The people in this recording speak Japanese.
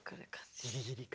ギリギリ感。